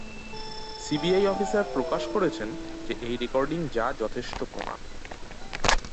CBI officer প্রকাশ করেছেন যে এই রেকর্ডিং যা যথেষ্ট প্রমাণ।